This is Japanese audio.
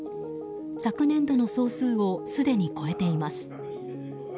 昨年度の総数をすでに超えています。